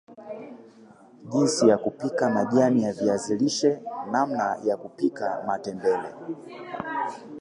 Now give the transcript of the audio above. jinsi ya kupika majani ya viazi lishe namna ya kupika matembele